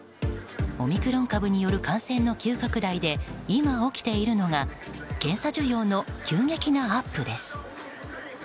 オミクロン株による感染の急拡大で今起きているのが検査需要の急激なアップです。